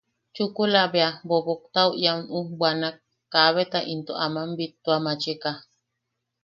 Chukula bea boboktau ian ujbwanwak, kaabeta into aman bittuamachika.